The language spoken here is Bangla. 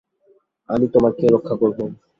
আমি তোমাকে রক্ষা করব।